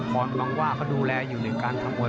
ธรรมว่าเขาดูแลอยู่ในการทำมวย